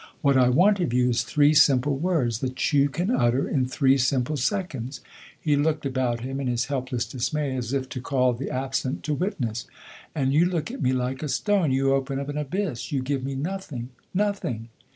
What I want of you is three simple words that you can utter in three simple seconds." He looked about him, in his helpless dismay, as if to call the absent to witness. " And you look at me like a stone. You open up an abyss. You give me nothing, nothing."